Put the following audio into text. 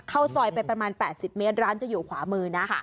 เข้าซอยไปประมาณ๘๐เมตรร้านจะอยู่ขวามือนะ